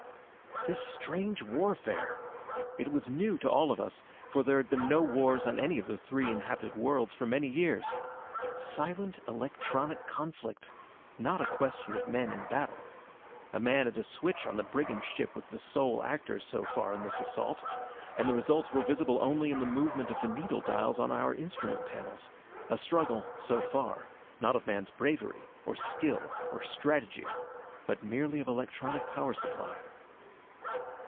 This strange warfare! It was new to all of us, for there had been no wars on any of the three inhabited worlds for many years. Silent, electronic conflict! Not a question of men in battle. A man at a switch on the brigand ship was the sole actor so far in this assault. And the results were visible only in the movement of the needle dials on our instrument panels. A struggle, so far, not of man's bravery, or skill, or strategy, but merely of electronic power supply.